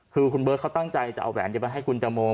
คือคุณเบิร์ตเขาตั้งใจจะเอาแหวนจะไปให้คุณตังโม